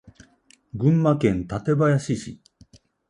群馬県館林市